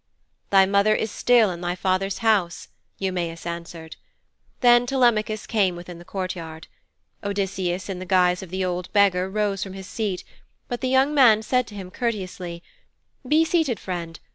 'Thy mother is still in thy father's house,' Eumæus answered. Then Telemachus came within the courtyard. Odysseus in the guise of the old beggar rose from his seat, but the young man said to him courteously: 'Be seated, friend.